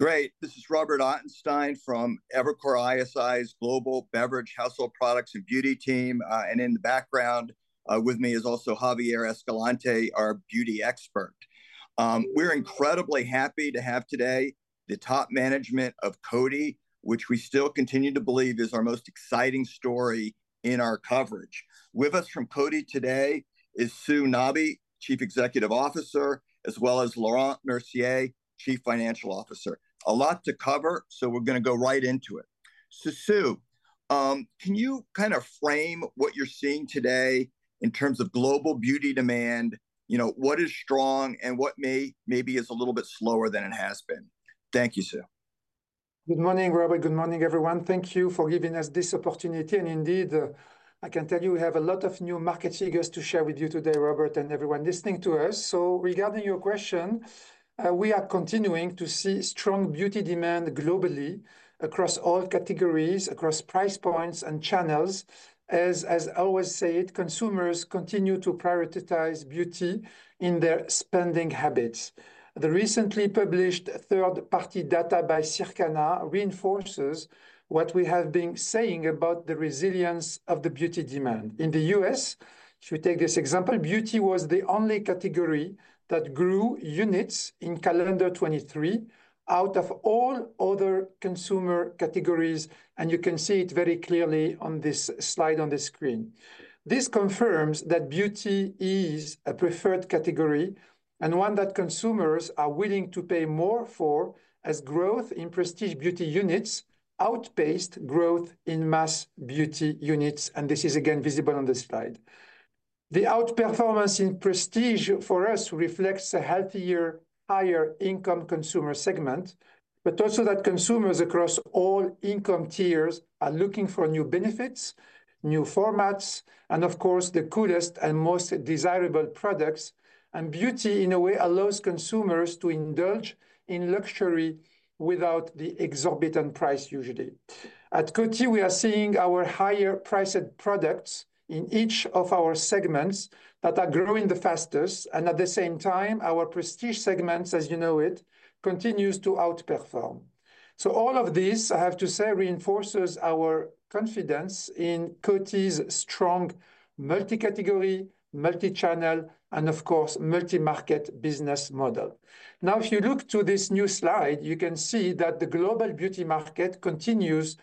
Great. This is Robert Ottenstein from Evercore ISI's global beverage, household products and beauty team. And in the background with me is also Javier Escalante, our beauty expert. We're incredibly happy to have today the top management of Coty, which we still continue to believe is our most exciting story in our coverage. With us from Coty today is Sue Nabi, Chief Executive Officer, as well as Laurent Mercier, Chief Financial Officer. A lot to cover, so we're gonna go right into it. Sue, can you kind of frame what you're seeing today in terms of global beauty demand? What is strong and what maybe is a little bit slower than it has been? Thank you, Sue. Good morning, Robert. Good morning, everyone. Thank you for giving us this opportunity. Indeed, I can tell you we have a lot of new market figures to share with you today, Robert, and everyone listening to us. Regarding your question, we are continuing to see strong beauty demand globally across all categories, across price points and channels. As I always say, consumers continue to prioritize beauty in their spending habits. The recently published third-party data by Circana reinforces what we have been saying about the resilience of the beauty demand in the U.S. If you take this example, beauty was the only category that grew units in calendar 2023 out of all other consumer categories. You can see it very clearly on this slide on the screen. This confirms that beauty is a preferred category and one that consumers are willing to pay more for as growth in prestige beauty units outpaced growth in mass beauty units. This is again visible on the slide. The outperformance in prestige for us reflects a healthier, higher income consumer segment, but also that consumers across all income tiers are looking for new benefits, new formats, and of course, the coolest and most desirable products. Beauty in a way allows consumers to indulge in luxury without the exorbitant price. Usually at Coty, we are seeing our higher priced products in each of our segments that are growing the fastest. At the same time, our prestige segments, as you know it, continues to outperform. All of this, I have to say, reinforces our confidence in Coty's strong multi category, multi channel and of course, multi market business model. Now, if you look to this new slide, you can see that the global beauty market continues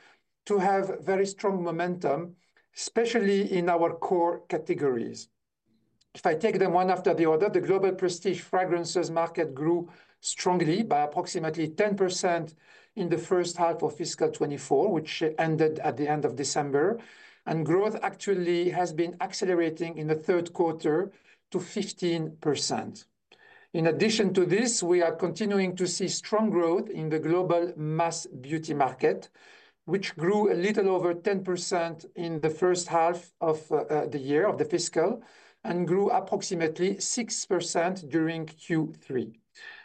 to have very strong momentum, especially in our core categories. If I take them one after the other. The global prestige fragrances market grew strongly by approximately 10% in the first half of fiscal 2024, which ended at the end of December. And growth actually has been accelerating in the third quarter to 15%. In addition to this, we are continuing to see strong growth in the global mass beauty market, which grew a little over 10% in the first half of the year of the fiscal and grew approximately 6% during Q3.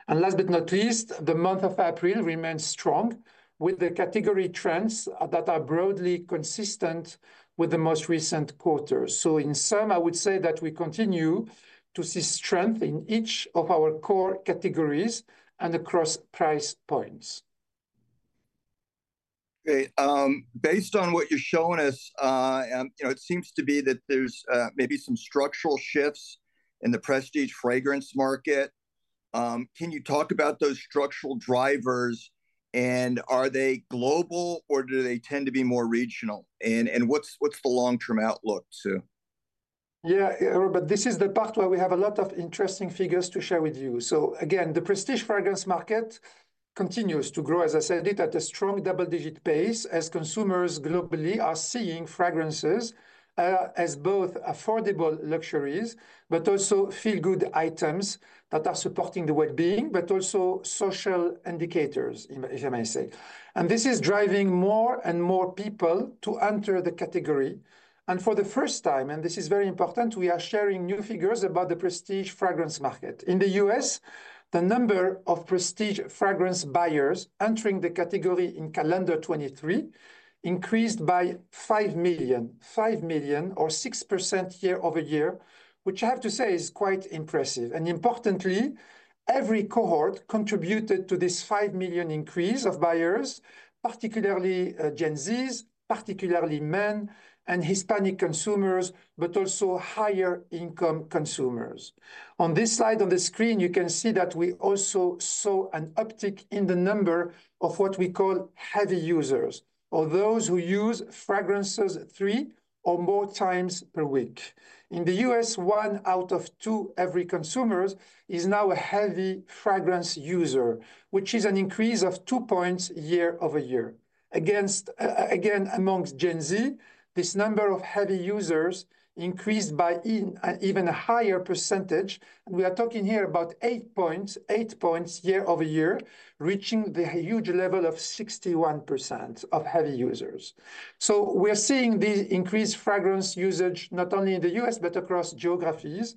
And last but not least, the month of April remains strong with the category trends that are broadly consistent with the most recent quarters. In sum, I would say that we continue to see strength in each of our core categories and across price points. Based on what you're showing us. You know, it seems to be that there's maybe some structural shifts in the prestige fragrance market. Can you talk about those structural drivers and are they global or do they tend to be more regional? And what's the long term outlook to. Yeah, but this is the part where we have a lot of interesting figures to share with you. So again, the prestige fragrance market continues to grow, as I said it, at a strong double-digit pace as consumers globally are seeing fragrances as both affordable luxuries but also feel-good items that are supporting the well-being but also social indicators if I may say. This is driving more and more people to enter the category. For the first time, and this is very important, we are sharing new figures about the prestige fragrance market. In the U.S. the number of prestige fragrance buyers entering the category in calendar 2023 increased by 5 million or 6% year-over-year, which I have to say is quite impressive. Importantly, every cohort contributed to this 5 million increase of buyers, particularly Gen Zs, particularly men and Hispanic consumers, but also higher income consumers. On this slide on the screen you can see that we also saw an uptick in the number of what we call heavy users or those who use fragrances three or more times per week. In the U.S. one out of every two consumers is now a heavy fragrance user, which is an increase of 2 points year-over-year. And again amongst Gen Z, this number of heavy users increased by even a higher percentage. We are talking here about 8 points year-over-year reaching the huge level of 61% of heavy users. We are seeing the increased fragrance usage not only in the U.S. but across geographies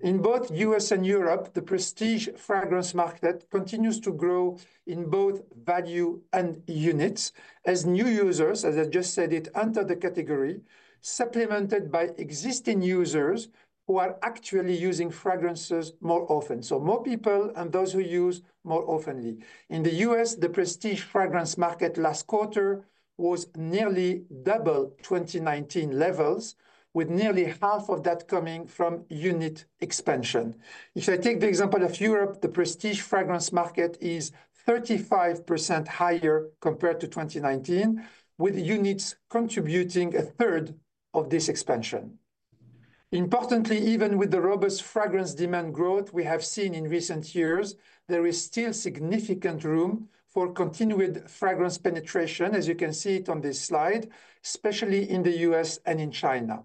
in both U.S. and Europe. The prestige fragrance market continues to grow in both value and units as new users, as I just said it enter the category supplemented by existing users who are actually using fragrances more often. More people and those who use more often. In the U.S. the prestige fragrance market last quarter was nearly double 2019 levels with nearly half of that coming from unit expansion. If I take the example of Europe, the prestige fragrance market is 35% higher compared to 2019, with units contributing a third of this expansion. Importantly, even with the robust fragrance demand growth we have seen in recent years, there is still significant room for continued fragrance penetration as you can see it on this slide, especially in the U.S. and in China.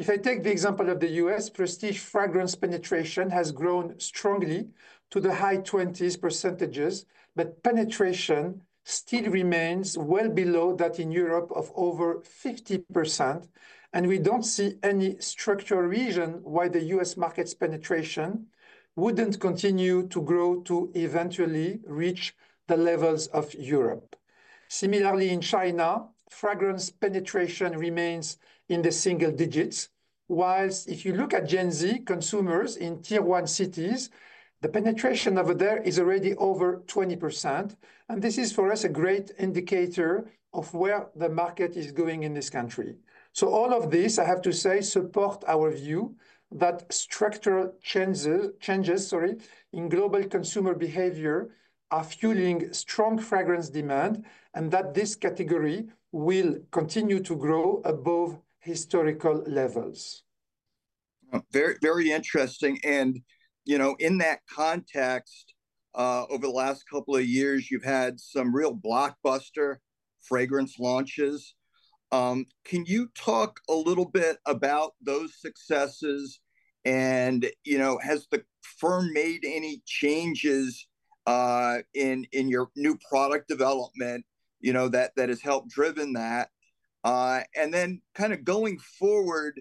If I take the example of the U.S., prestige fragrance penetration has grown strongly to the high 20s%, but penetration still remains well below that in Europe of over 50%. We don't see any structural reason why the U.S. market's penetration wouldn't continue to grow to eventually reach the levels of Europe. Similarly, in China, fragrance penetration remains in the single digits, while if you look at Gen Z consumers in tier one cities, the penetration over there is already over 20%. This is for us a great indicator of where the market is going in this country. All of this, I have to say, supports our viewers that structural changes, sorry, in global consumer behavior are fueling strong fragrance demand and that this category will continue to grow above historical levels. Very, very interesting. And you know, in that context, over the last couple of years you've had some real blockbuster fragrance launches. Can you talk a little bit about those successes? And you know, has the firm made any changes in your new product development? You know that that has helped driven that. And then kind of going forward,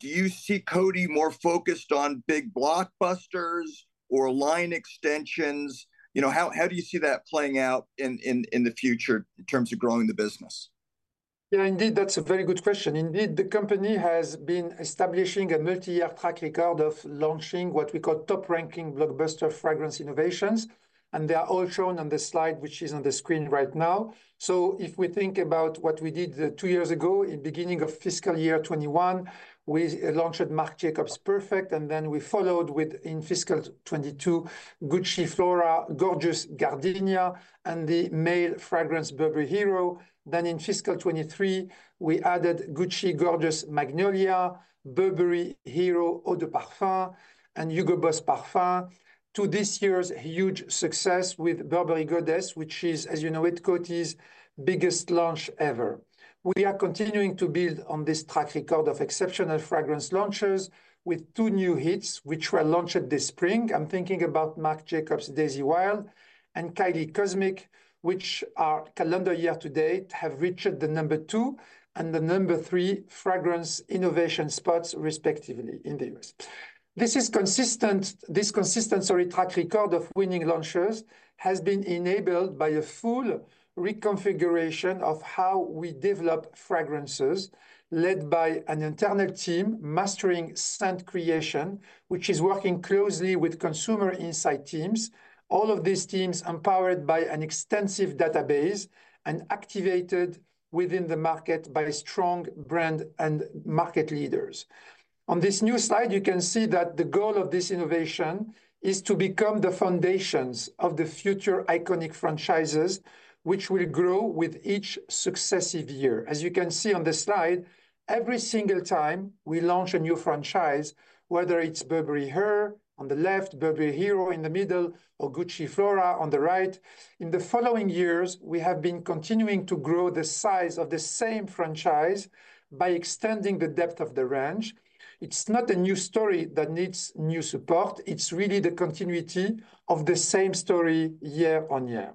do you see Coty more focused on big blockbusters or line extensions? You know, how do you see that playing out in the future in terms of growing the business? Yeah, indeed. That's a very good question. Indeed. The company has been establishing a multi-year track record of launching what we call top-ranking blockbuster fragrance innovations. And they are all shown on the slide which is on the screen right now. So if we think about what we did two years ago, in the beginning of Fiscal 2021, we launched Marc Jacobs Perfect. And then we followed with in Fiscal 2022, Gucci Flora Gorgeous Gardenia and the male fragrance Burberry Hero. Then in Fiscal 2023 we added Gucci Flora Gorgeous Magnolia, Burberry Hero Eau de Parfum and Hugo Boss Parfum to this year's huge success with Burberry Goddess, which is, as you know, Coty's biggest launch ever. We are continuing to build on this track record of exceptional fragrance launches with two new hits which were launched this spring. I'm thinking about Marc Jacobs, Daisy Wild and Kylie Cosmic, which are calendar year to date have reached the number two and the number three fragrance innovation spots respectively in the U.S. This consistency track record of winning launchers has been enabled by a full reconfiguration of how we develop fragrances, led by an internal team mastering scent creation, which is working closely with consumer insight teams. All of these teams empowered by an extensive database and activated within the market by strong brand and market leaders. On this new slide, you can see that the goal of this innovation is to become the foundations of the future iconic franchises which will grow with each successive year. As you can see on the slide, every single time we launch a new franchise, whether it's Burberry Her on the left, Burberry Hero in the middle, Gucci Flora on the right. In the following years, we have been continuing to grow the size of the same franchise by extending the depth of the range. It's not a new story that needs new support. It's really the continuity of the same story year on year.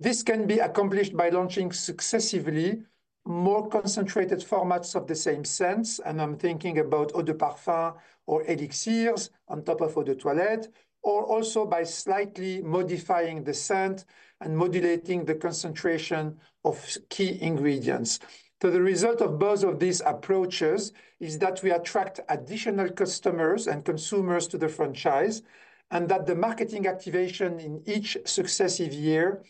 This can be accomplished by launching successively more concentrated formats of the same sense. And I'm thinking about eau de parfum or elixirs on top of eau de toilette, or also by slightly modifying the scent and modulating the concentration of key ingredients. So the result of both of these approaches is that we attract additional customers and consumers to the franchise and that the marketing activation in each successive year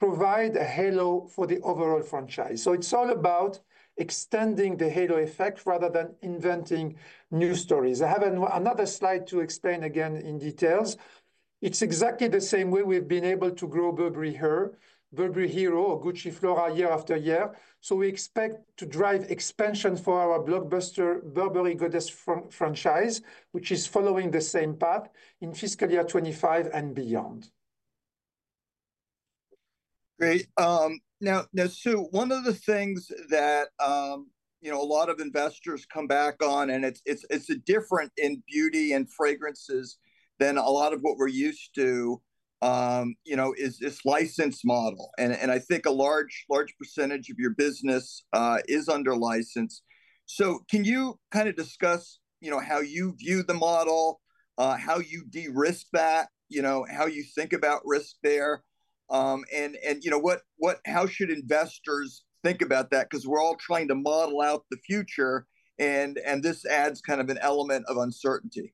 provide a halo for the overall franchise. So it's all about extending the halo effect rather than inventing new stories. I have another slide to explain, again in details. It's exactly the same way we've been able to grow Burberry Her, Burberry Hero, Gucci Flora year after year. So we expect to drive expansion for our blockbuster Burberry Goddess franchise, which is following the same path in Fiscal 2025 and beyond. Great. Now, Sue, one of the things that a lot of investors come back on, and it's different in beauty and fragrances than a lot of what we're used to, you know, is this license model. And I think a large, large percentage of your business is under license. So can you kind of discuss, you know, how you view the model, how you de-risk that, you know, how you think about risk there. And you know, what, what, how should investors think about that? Because we're all trying to model out the future, and this adds kind of an element of uncertainty.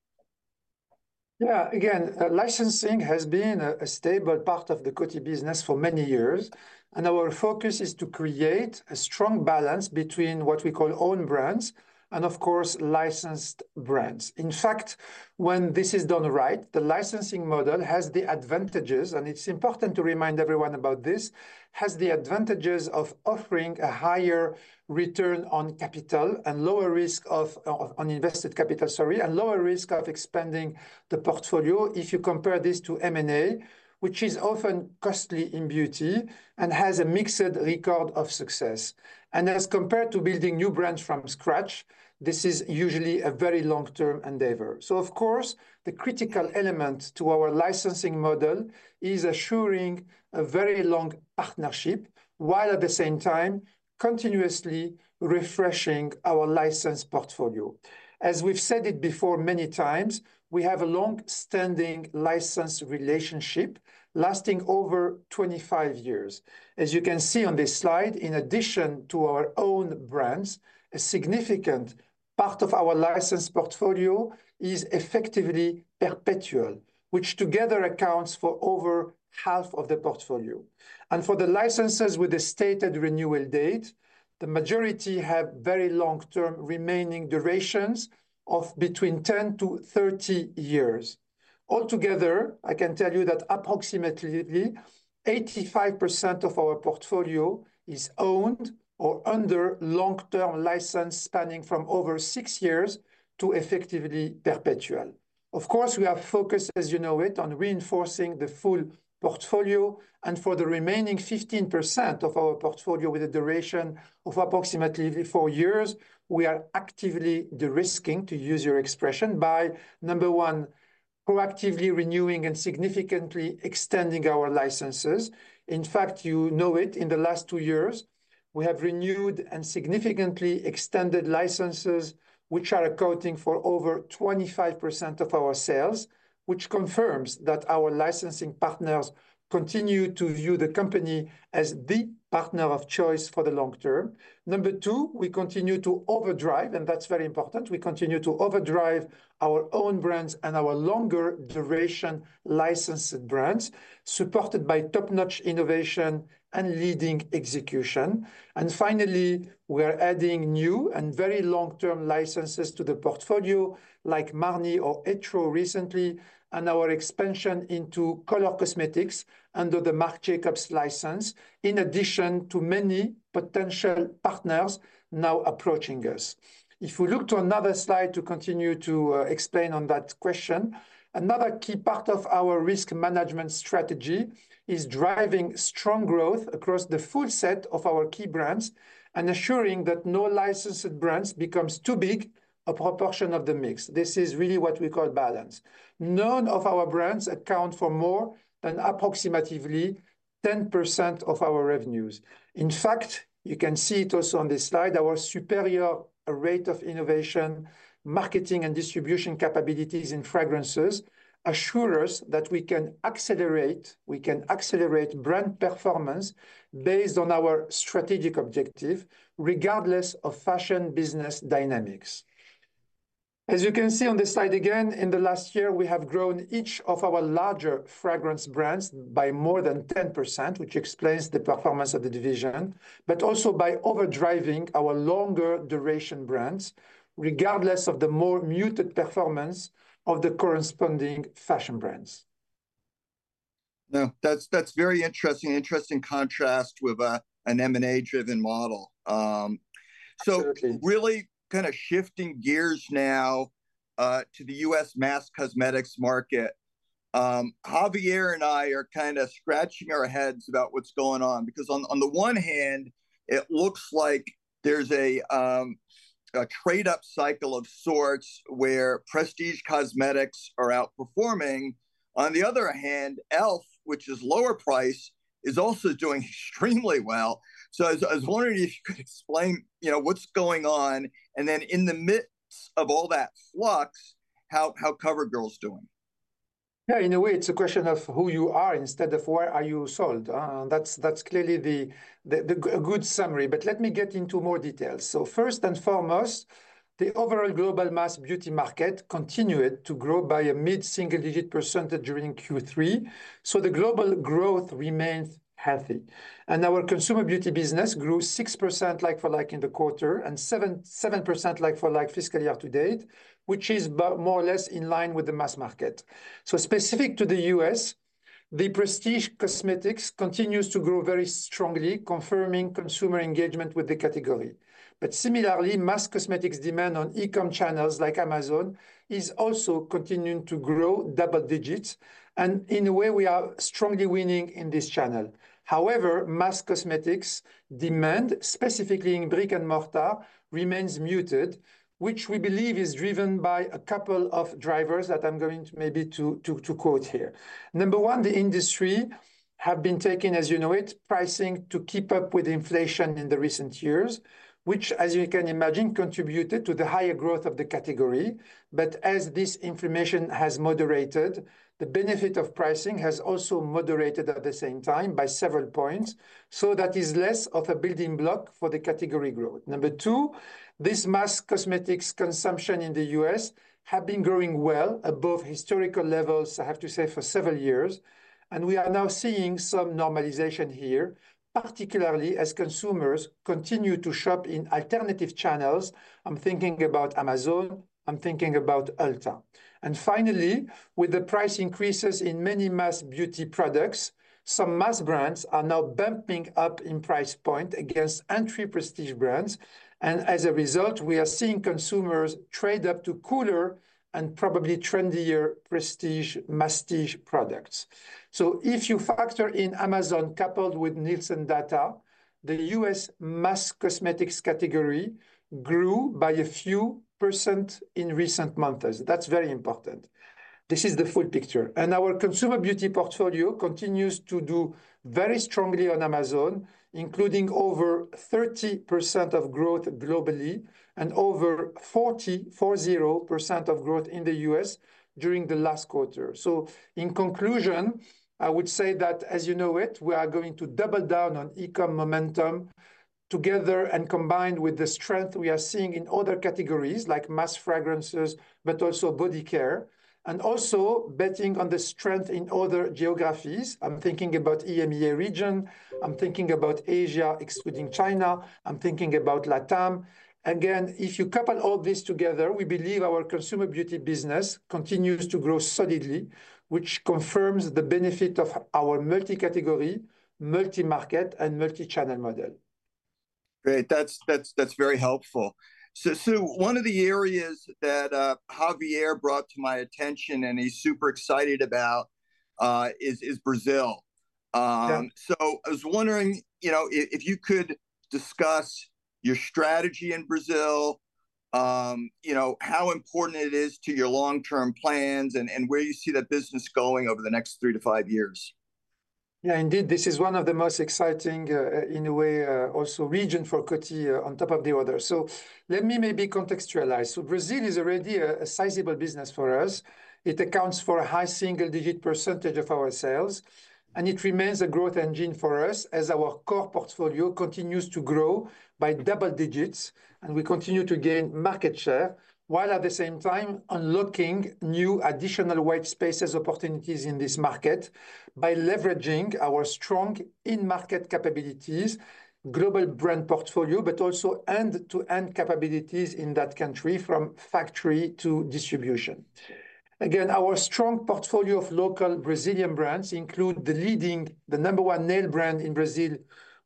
Yeah. Again, licensing has been a stable part of the Coty business for many years. Our focus is to create a strong balance between what we call own brands and, of course, licensed brands. In fact, when this is done right, the licensing model has the advantages, and it's important to remind everyone about this: it has the advantages of offering a higher return on capital and lower risk of uninvested capital. Sorry. And lower risk of expanding the portfolio. If you compare this to M&A, which is often costly in beauty and has a mixed record of success, and as compared to building new brands from scratch, this is usually a very long-term endeavor. So of course the critical element to our licensing model is assuring a very long partnership while at the same time continuously refreshing our license portfolio. As we've said it before many times, we have a long-standing license relationship lasting over 25 years. As you can see on this slide, in addition to our own brands, a significant part of our license portfolio is effectively perpetual, which together accounts for over half of the portfolio. And for the licenses with the stated renewal date, the majority have very long-term remaining durations of between 10-30 years. Altogether, I can tell you that approximately 85% of our portfolio is owned or under long-term license spanning from over six years to effectively perpetual. Of course we are focused as you know it, on reinforcing the full portfolio and for the remaining 15% of our portfolio with a duration of approximately four years, we are actively de-risking, to use your expression, by number one, proactively renewing and significantly extending our licenses. In fact, you know it, in the last two years we have renewed and significantly extended licenses which are accounting for over 25% of our sales, which confirms that our licensing partners continue to view the company as the partner of choice for the long term. Number two, we continue to overdrive. And that's very important, we continue to overdrive our own brands and our longer duration licensed brands supported by top notch innovation and leading execution. And finally, we are adding new and very long term licenses to the portfolio like Marni or Etro recently and our expansion into color cosmetics under the Marc Jacobs license. In addition to many potential partners now approaching us, if we look to another slide to continue to explain on that question, another key part of our risk management strategy is driving strong growth across the full set of our key brands and assuring that no licensed brands becomes too big a proportion of the mix. This is really what we call balance. None of our brands account for more than approximately 10% of our revenues. In fact, you can see it also on this slide. Our superior rate of innovation, marketing and distribution capabilities in fragrances assures us that we can accelerate brand performance based on our strategic objective regardless of fashion business dynamics. As you can see on this slide again, in the last year we have grown each of our larger fragrance brands by more than 10% which explains the performance of the division, but also by overdriving our longer duration brands regardless of the more muted performance of the corresponding fashion brands. No, that's very interesting. Interesting contrast with an M&A-driven model. So really kind of shifting gears now to the U.S. mass cosmetics market. Javier and I are kind of scratching our heads about what's going on because on the one hand it looks like there's a trade up cycle of sorts where prestige cosmetics are outperforming. On the other hand, e.l.f., which is lower price is also doing extremely well. So I was wondering if you could explain, you know, what's going on and then in the midst of all that flux, how CoverGirl's doing. Yeah, in a way it's a question of who you are instead of where are you sold. That's clearly the. A good summary, but let me get into more details. So first and foremost, the overall global mass beauty market continued to grow by a mid-single-digit percentage during Q3. So the global growth remains healthy. And our consumer beauty business grew 6% like for like in the quarter and 7% like for like fiscal year to date, which is more or less in line with the mass market, so specific to the U.S. the prestige cosmetics continues to grow very strongly, confirming consumer engagement with the category. But similarly mass cosmetics demand on e-com channels like Amazon is also continuing to grow double digits and in a way we are strongly winning in this channel. However, mass cosmetics demand specifically in brick and mortar remains muted, which we believe is driven by a couple of drivers that I'm going maybe to quote here. Number one, the industry have been taking as you know it, pricing to keep up with inflation in the recent years which as you can imagine contributed to the higher growth of the category. But as this inflation has moderated, the benefit of pricing has also moderated at the same time by several points. So that is less of a building block for the category growth. Number two, this mass cosmetics consumption in the U.S. have been growing well above historical levels, I have to say for several years. And we are now seeing some normalization here, particularly as consumers continue to shop in alternative channels. I'm thinking about Amazon, I'm thinking about Ulta. Finally, with the price increases in many mass beauty products, some mass brands are now bumping up in price point against entry prestige brands. As a result we are seeing consumers trade up to cooler and probably trendier prestige masstige products. So if you factor in Amazon coupled with Nielsen data, the U.S. mass cosmetics category grew by a few percent in recent months. That's very important. This is the full picture. Our consumer beauty portfolio continues to do very strongly on Amazon including over 30% of growth globally and over 40% of growth in the U.S. during the last quarter. So in conclusion, I would say that as you know it, we are going to double down on e-com momentum together. Combined with the strength we are seeing in other categories like mass fragrances but also body care and also betting on the strength in other geographies. I'm thinking about EMEA region. I'm thinking about Asia excluding China. I'm thinking about LATAM again. If you couple all this together, we believe our consumer beauty business continues to grow solidly, which confirms the benefit of our multi category, multi market and multi channel model. Great. That's very helpful. So Sue, one of the areas that Javier brought to my attention and he's super excited about is Brazil. So I was wondering, you know, if you could discuss your strategy in Brazil. You know how important it is to your long-term plans and where you see that business going over the next three to five years. Yeah, indeed. This is one of the most exciting in a way also region for Coty on top of the other. So let me maybe contextualize. So Brazil is already a sizable business for us. It accounts for a high single-digit % of our sales and it remains a growth engine for us as our core portfolio continues to grow by double digits and we continue to gain market share while at the same time unlocking new additional white spaces opportunities in this market by leveraging our strong in-market capabilities global brand portfolio, but also end-to-end capabilities in that country from factory to distribution. Again, our strong portfolio of local Brazilian brands include the leading, the number one nail brand in Brazil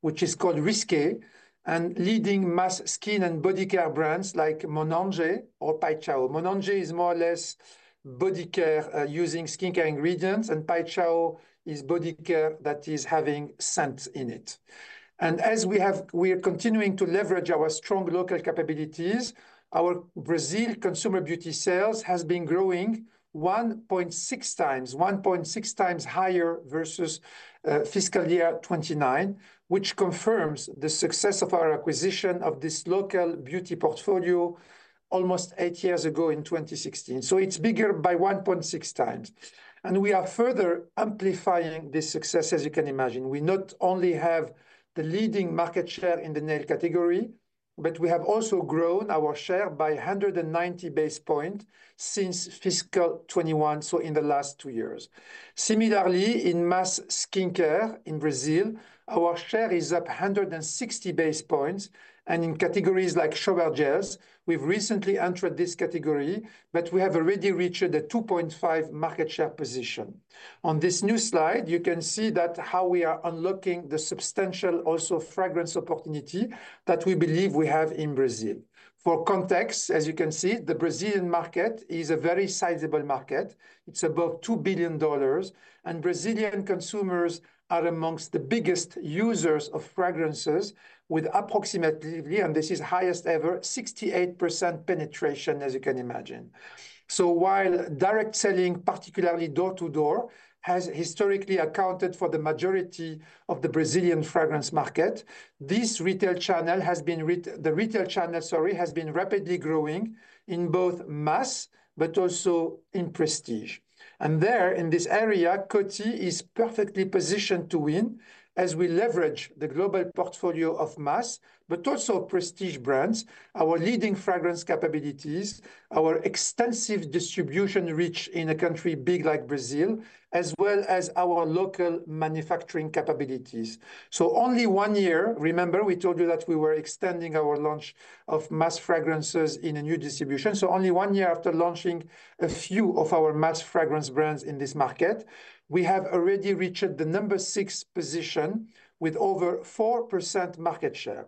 which is called Risqué and leading mass skin and body care brands like Monange or Paixão. Monange is more or less body care using skincare ingredients and Paixão is body care that is having scent in it. As we have, we are continuing to leverage our strong local capabilities. Our Brazil consumer beauty sales has been growing 1.6 times, 1.6 times higher versus Fiscal 2019, which confirms the success of our acquisition of this local beauty portfolio almost eight years ago in 2016. So it's bigger by 1.6 times. And we are further amplifying this success. As you can imagine, not only have the leading market share in the nail category, but we have also grown our share by 190 base points since Fiscal 2021. So in the last two years. Similarly, in mass skincare in Brazil, our share is up 160 base points. And in categories like shower gels, we've recently entered this category. But we have already reached a 2.5 market share position on this new slide. You can see that how we are unlocking the substantial also fragrance opportunity that we believe we have in Brazil. For context, as you can see, the Brazilian market is a very sizable market. It's above $2 billion. And Brazilian consumers are among the biggest users of fragrances with approximately, and this is highest ever, 68% penetration, as you can imagine. So while direct selling, particularly door to door, has historically accounted for the majority of the Brazilian fragrance market, the retail channel, sorry, has been rapidly growing in both mass but also in prestige. There in this area, Coty is perfectly positioned to win as we leverage the global portfolio of mass but also prestige brands, our leading fragrance capabilities, our extensive distribution reach in a country big like Brazil, as well as our local manufacturing capabilities. So only one year. Remember we told you that we were extending our launch of mass fragrances in a new distribution. So only one year after launching a few of our mass fragrance brands in this market, we have already reached the number six position with over 4% market share.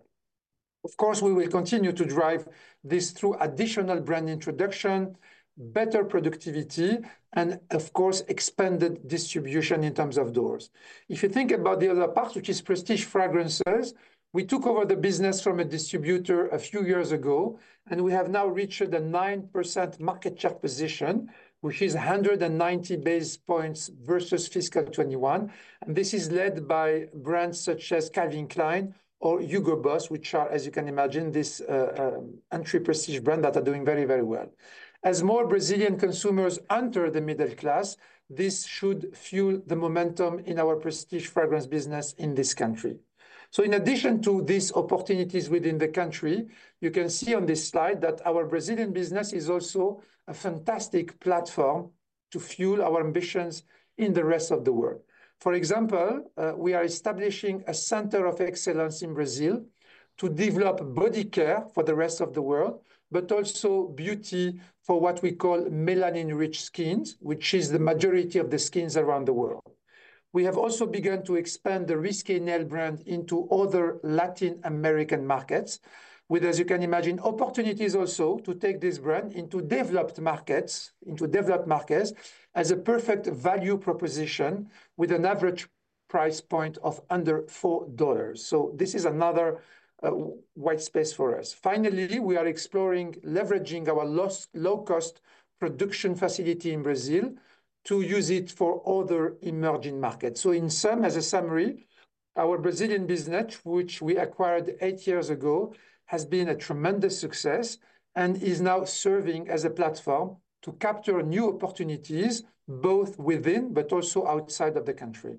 Of course, we will continue to drive this through additional brand introduction, better productivity and of course expanded distribution. In terms of doors, if you think about the other part, which is prestige fragrances, we took over the business from a distributor a few years ago, and we have now reached a 9% market share position which is 190 basis points versus Fiscal 2021. This is led by brands such as Calvin Klein or Hugo Boss, which are, as you can imagine, this entry prestige brand that are doing very, very well. As more Brazilian consumers enter the middle class, this should fuel the momentum in our prestige fragrance business in this country. In addition to these opportunities within the country, you can see on this slide that our Brazilian business is also a fantastic platform to fuel our ambitions in the rest of the world. For example, we are establishing a center of excellence in Brazil to develop body care for the rest of the world, but also beauty for what we call melanin-rich skins, which is the majority of the skins around the world. We have also begun to expand the Risqué nail brand into other Latin American markets with, as you can imagine, opportunities. Also to take this brand into developed markets, into developed markets as a perfect value proposition with an average price point of under $4. So this is another white space for us. Finally, we are exploring leveraging our low-cost production facility in Brazil to use it for other emerging markets. In sum, as a summary, our Brazilian business which we acquired eight years ago, has been a tremendous success and is now serving as a platform to capture new opportunities both within but also outside of the country.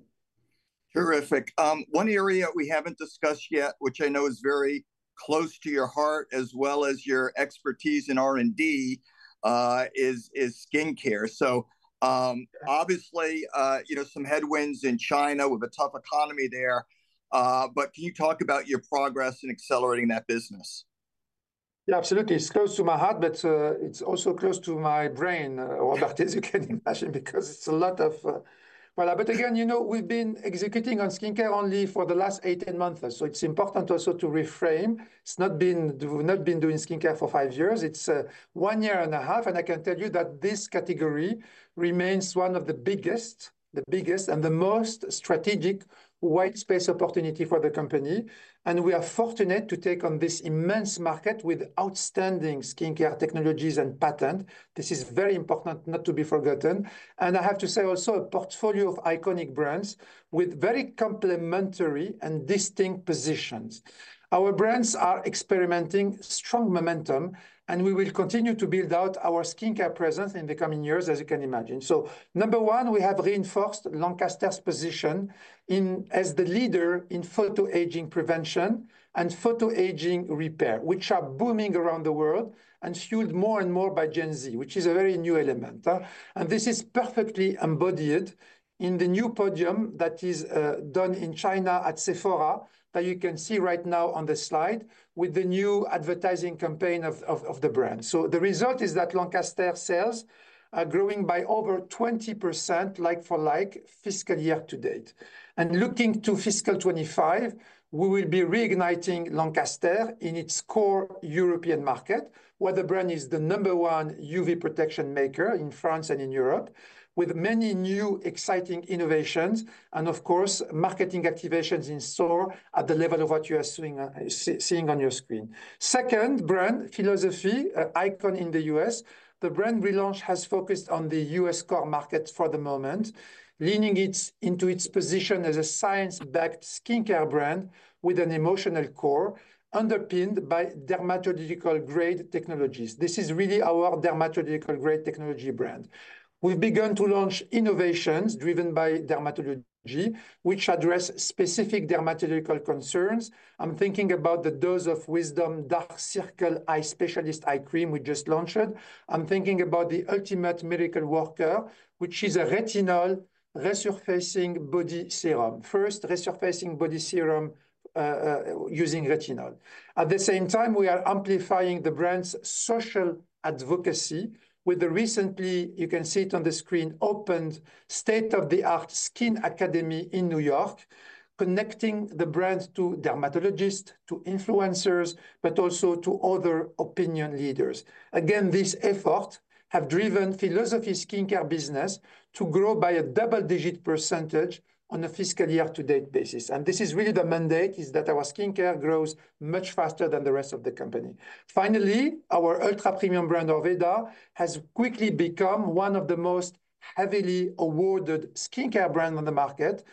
Terrific. One area we haven't discussed yet, which I know is very close to your heart as well as your expertise in R&D is skin care. So obviously you know, some headwinds in China with a tough economy there, but can you talk about your progress in accelerating that business? Yeah, absolutely. It's close to my heart, but it's also close to my brain, Robert, as you can imagine. But again, you know, we've been executing on skincare only for the last 18 months. So it's important also to reframe. It's not been doing skincare for five years, it's one year and a half. And I can tell you that this category remains one of the biggest, the biggest and the most strategic white space opportunity for the company. And we are fortunate to take on this immense market with outstanding skincare technologies and patent. This is very important, not to be forgotten and I have to say also a portfolio of iconic brands with very complementary and distinct positions. Our brands are experiencing strong momentum and we will continue to build out our skincare presence in the coming years as you can imagine. So number one, we have reinforced Lancaster's position as the leader in photo-aging prevention and photo-aging repair which are booming around the world and fueled more and more by Gen Z which is a very new element. And this is perfectly embodied in the new podium that is done in China at Sephora that you can see right now on the slide with the new advertising campaign of the brand. So the result is that Lancaster sales are growing by over 20% like for like fiscal year to date and looking to Fiscal 2025, we will be reigniting Lancaster in its core European market where the brand is the number one UV protection maker in France and in Europe with many new exciting innovations and of course marketing activations in store at the level of what you are seeing on your screen. Second brand, Philosophy, icon in the U.S., the brand relaunch has focused on the U.S. core market for the moment, leaning into its position as a science-backed skincare brand with an emotional core underpinned by dermatological grade technologies. This is really our dermatological grade technology brand. We've begun to launch innovations driven by dermatology which address specific dermatological concerns. I'm thinking about the Dose of Wisdom Dark Circle Eye Specialist eye cream we just launched. I'm thinking about the Ultimate Miracle Worker, which is a retinol resurfacing body serum, first resurfacing body serum using retinol. At the same time, we are amplifying the brand's social advocacy with the recently, you can see it on the screen, opened state-of-the-art Skin Academy in New York, connecting the brand to dermatologists, to influencers, but also to other opinion leaders. Again, this effort have driven Philosophy skincare business to grow by a double-digit percentage on a fiscal year-to-date basis. This is really the mandate is that our skincare grows much faster than the rest of the company. Finally, our ultra-premium brand Orveda has quickly become one of the most heavily awarded skincare brands on the market.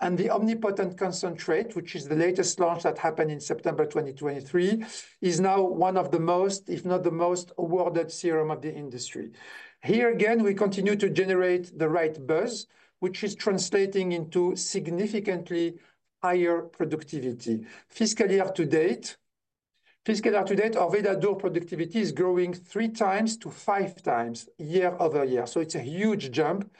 And the Omnipotent Concentrate, which is the latest launch that happened in September 2023 is now one of the most, if not the most awarded serum of the industry. Here again we continue to generate the right buzz which is translating into significantly higher productivity fiscal year-to-date. Fiscal year-to-date. Orveda door productivity is growing 3x-5x year-over-year. It's a huge jump.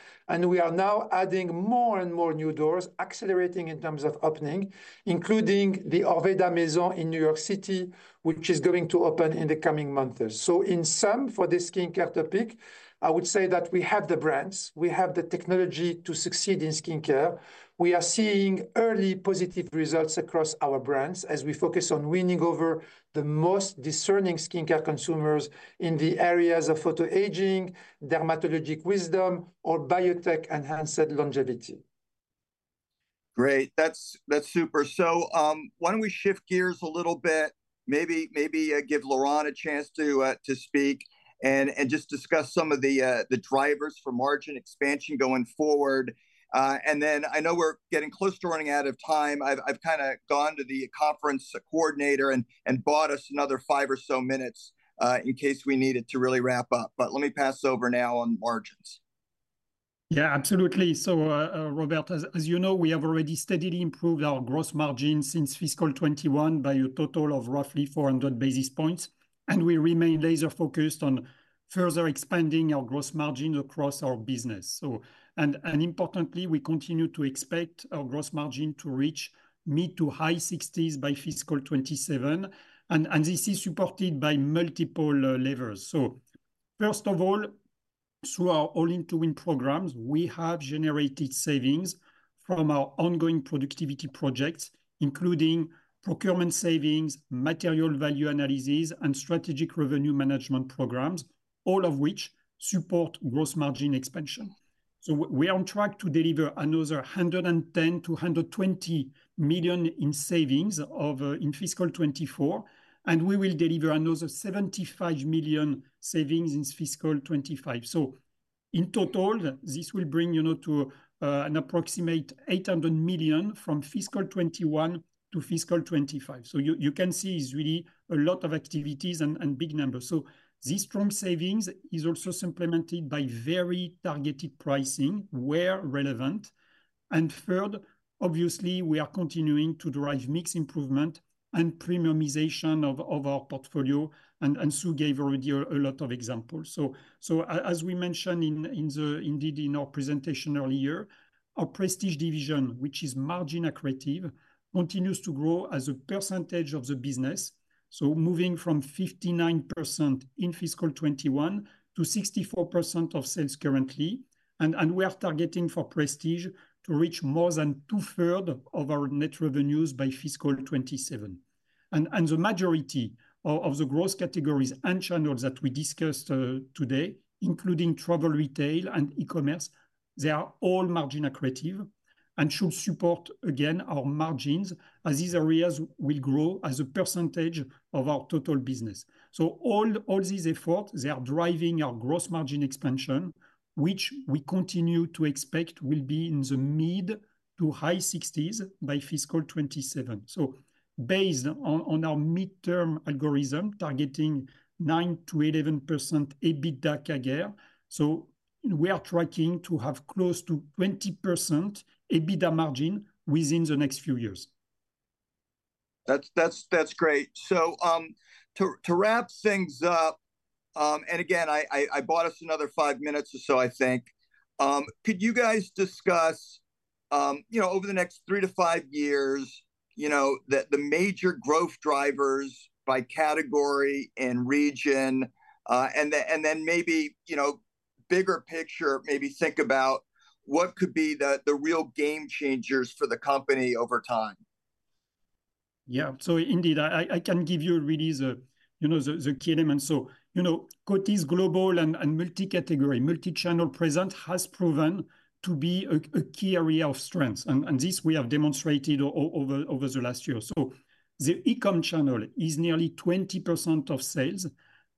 We are now adding more and more new doors accelerating in terms of opening, including the Orveda's on Amazon in New York City which is going to open in the coming months. So in sum, for this skincare topic, I would say that we have the brands, we have the technology to succeed in skincare. We are seeing early positive results across our brand as we focus on winning over the most discerning skincare consumers in the areas of photo-aging, dermatological wisdom or biotech-enhanced longevity. Great, that's super. So why don't we shift gears a little bit, maybe give Laurent a chance to speak and just discuss some of the drivers for margin expansion going forward and then I know we're getting close to running out of time. I've kind of gone to the conference coordinator and bought us another five or so minutes in case we needed to really wrap up. But let me pass over now on margins. Yeah, absolutely. So Robert, as you know, we have already steadily improved our gross margin since Fiscal 2021 by a total of roughly 400 basis points. We remain laser focused on further expanding our gross margin across our business. Importantly, we continue to expect our gross margin to reach mid- to high 60s by Fiscal 2027. This is supported by multiple levers. So first of all, through our all in to win programs, we have generated savings from our ongoing productivity projects, including procurement savings, Material Value Analysis and strategic revenue management programs, all of which support gross margin expansion. So we are on track to deliver another $110 million-$120 million in savings in Fiscal 2024. We will deliver another $75 million savings in Fiscal 2025. So in total this will bring to an approximate $800 million from Fiscal 2021-Fiscal 2025. So you can see is really a lot of activities and big numbers. So this strong savings is also supplemented by very targeted pricing where relevant. And third, obviously we are continuing to drive mix improvement and premiumization of our portfolio and Sue gave already a lot of examples. So as we mentioned indeed in our presentation earlier, our prestige division, which is margin accretive, continues to grow as a percentage of the business. So moving from 59% in Fiscal 2021 to 64% of sales currently. And we are targeting for prestige to reach more than two thirds of our net revenues by Fiscal 2027. And the majority of the growth categories and channels that we discussed today, including travel retail and e-commerce, they are all margin accretive and should support again our margins as these areas will grow as a percentage of our total business. All these efforts, they are driving our gross margin expansion, which we continue to expect will be in the mid- to high 60s% by Fiscal 2027. Based on our midterm algorithm targeting 9%-11% EBITDA CAGR, we are tracking to have close to 20% EBITDA margin within the next few years. That's great. So to wrap things up and again I bought us another five minutes or so I think. Could you guys discuss, you know, over the next three to five years, you know that the major growth drivers by category and region and then, and then maybe, you know, bigger picture, maybe think about what could be the real game changers for the company over time. Yeah, so indeed I can give you really the key element. Coty's global and multi-category multi-channel presence has proven to be a key area of strength and this we have demonstrated over the last year. The e-com channel is nearly 20% of sales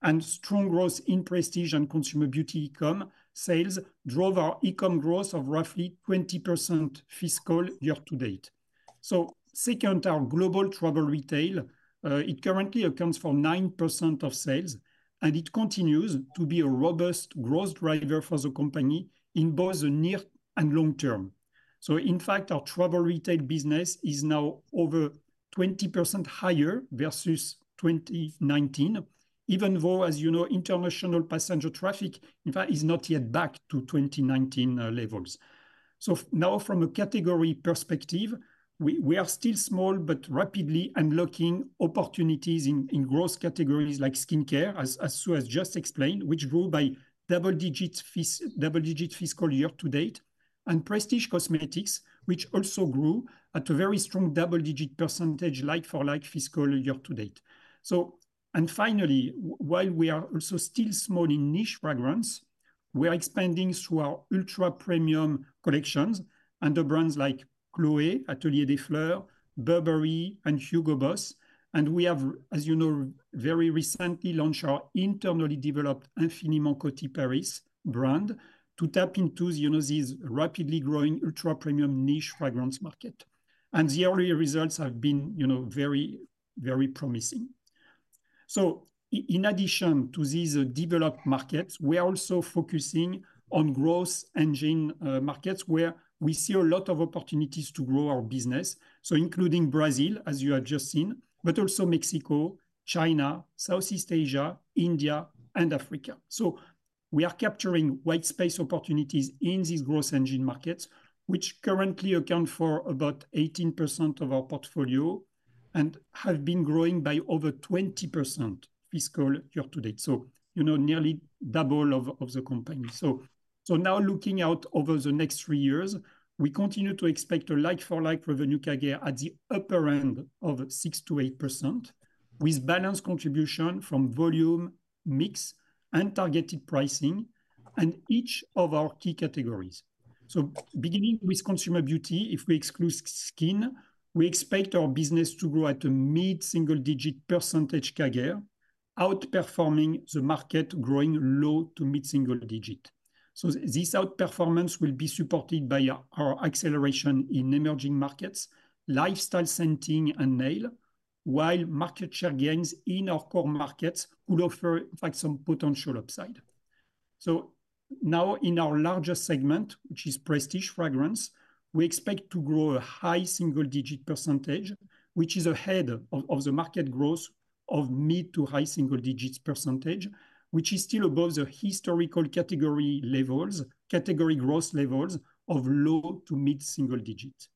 and strong growth in prestige and consumer beauty. E-com sales drove our e-com growth of roughly 20% fiscal year-to-date. Second, our global travel retail, it currently accounts for 9% of sales and it continues to be a robust growth driver for the company in both the near and long term. In fact our travel retail business is now over 20% higher versus 2019, even though as you know, international passenger traffic is not yet back to 2019 levels. So now from a category perspective, we are still small but rapidly unlocking opportunities in growth categories like skincare, as Sue has just explained, which grew by double-digit fiscal year to date, and prestige cosmetics which also grew at a very strong double-digit percentage like for like fiscal year to date. So and finally, while we are also still small in niche fragrance, we are expanding through our ultra-premium collections under brands like Chloé Atelier des Fleurs, Burberry and Hugo Boss. And we have, as you know, very recently launched our internally developed Infiniment Coty Paris brand to tap into this rapidly growing ultra-premium niche fragrance market. And the early results have been very promising. So in addition to these developed markets, we are also focusing on growth engine markets where we see a lot of opportunities to grow our business. So including Brazil as you have just seen, but also Mexico, China, Southeast Asia, India and Africa. So we are capturing white space opportunities in these growth engine markets which currently account for about 18% of our portfolio and have been growing by over 20% fiscal year to date, so nearly double of the company. Now looking out over the next three years, we continue to expect a like-for-like revenue CAGR at the upper end of 6%-8% with balanced contribution from volume mix and targeted pricing and each of our key categories. So beginning with consumer beauty, if we exclude skin, we expect our business to grow at a mid-single-digit percentage CAGR outperforming the market, growing low- to mid-single-digit. So this outperformance will be supported by our acceleration in emerging markets, lifestyle scenting and nail. While market share gains in our core markets could offer in fact some potential upside. So now in our largest segment, which is prestige fragrance, we expect to grow a high single-digit percentage, which is ahead of the market growth of mid- to high-single-digits percentage, which is still above the historical category levels category gross levels of low- to mid-single-digit.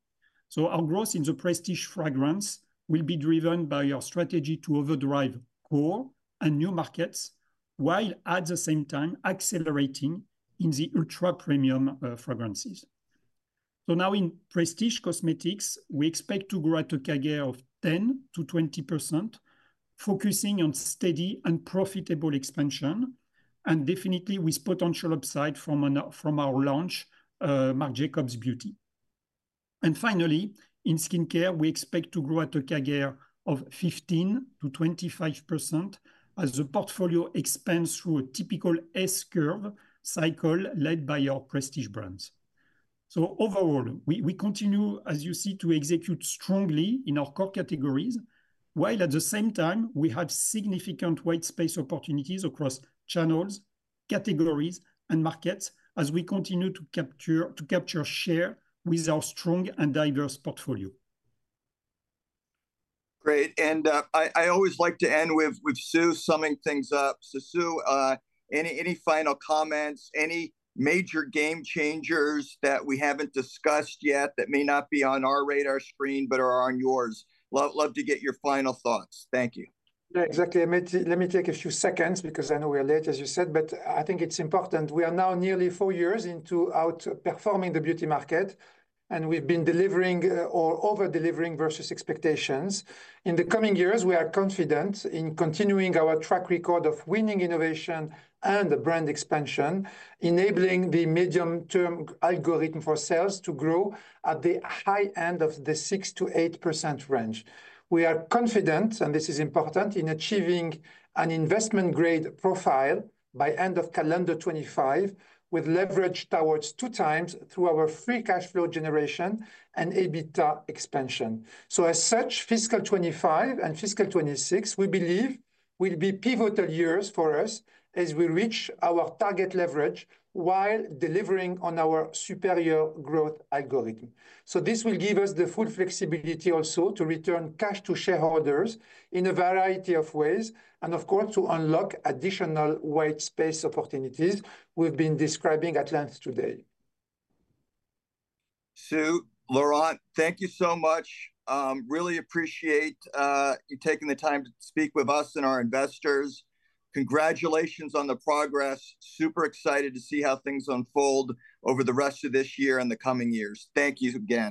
So our growth in the prestige fragrance will be driven by our strategy to overdrive core and new markets while at the same time accelerating in the ultra-premium fragrances. So now in prestige cosmetics we expect to grow at a CAGR of 10%-20% focusing on steady and profitable expansion and definitely with potential upside from our launch Marc Jacobs Beauty. And finally in skincare we expect to grow at a CAGR of 15%-25% as the portfolio expands through a typical S curve cycle led by our prestige brands. So overall we continue, as you see, to execute strongly in our core categories while at the same time we have significant white space opportunities across channels, categories and markets as we continue to capture share with our strong and diverse portfolio. Great. And I always like to end with Sue summing things up. So Sue, any final comments? Any major game changers that we haven't discussed yet that may not be on our radar screen but are on yours? Love to get your final thoughts. Thank you. Exactly. Let me take a few seconds because I know we are late as you said, but I think it's important. We are now nearly four years into outperforming the beauty market and we've been delivering or over delivering versus expectations in the coming years. We are confident in continuing our track record of winning innovation and brand expansion, enabling the medium term algorithm for sales to grow at the high end of the 6%-8% range. We are confident and this is important in achieving an investment grade profile by end of calendar 2025 with leverage towards 2x through our free cash flow generation and EBITDA expansion. So as such Fiscal 25 and Fiscal 26 we believe will be pivotal years for us as we reach our target leverage while delivering on our superior growth algorithm. This will give us the full flexibility also to return cash to shareholders in a variety of ways and of course to unlock additional white space opportunities we've been describing at length today. Sue and Laurent, thank you so much. Really appreciate you taking the time to speak with us and our investors. Congratulations on the progress. Super excited to see how things unfold over the rest of this year and the coming years. Thank you again.